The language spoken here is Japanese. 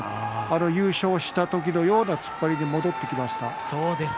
優勝した時のような突っ張りに戻ってきましたね。